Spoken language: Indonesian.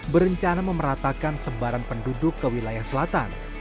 berencana memeratakan sebaran penduduk ke wilayah selatan